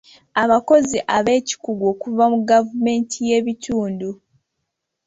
Abakozi ab'Ekikugu okuva mu Gavumenti y'Ekitundu.